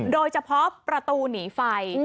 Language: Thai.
โดยเฉพาะประตูหนีไฟ